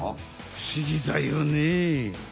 ふしぎだよね。